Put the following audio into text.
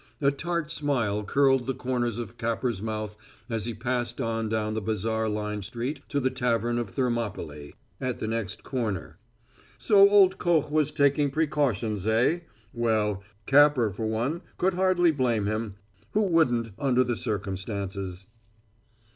A tart smile curled the corners of Capper's mouth as he passed on down the bazaar lined street to the Tavern of Thermopylæ, at the next corner. So old Koch was taking precautions, eh? Well, Capper, for one, could hardly blame him; who wouldn't, under the circumstances?